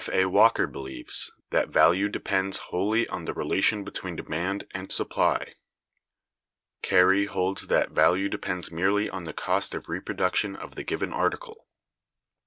A. Walker(201) believes that "value depends wholly on the relation between demand and supply." Carey(202) holds that value depends merely on the cost of reproduction of the given article.